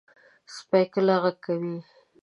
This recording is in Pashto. سپي کله غږ کوي.